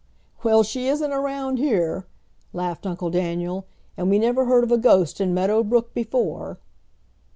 "Well, she isn't around here," laughed Uncle Daniel, "and we never heard of a ghost in Meadow Brook before."